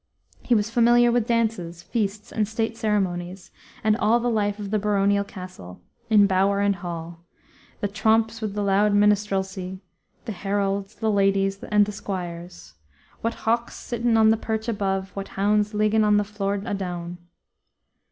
He was familiar with dances, feasts, and state ceremonies, and all the life of the baronial castle, in bower and hall, the "trompes with the loude minstralcie," the heralds, the ladies, and the squires, "What hawkës sitten on the perch above, What houndës liggen on the floor adown."